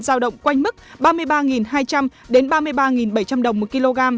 giao động quanh mức ba mươi ba hai trăm linh đến ba mươi ba bảy trăm linh đồng một kg